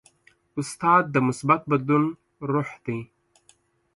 استاد د مثبت بدلون روح دی.